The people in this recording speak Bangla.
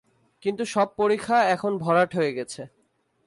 কিন্তু সব পরিখা এখন ভরাট হয়ে গেছে।